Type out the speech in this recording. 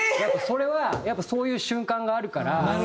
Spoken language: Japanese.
それはやっぱそういう瞬間があるから。